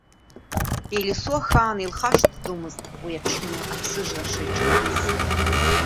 Елисо ахаан илхашҭӡомызт уи аҽны аԥсыжра шеиҿкааз.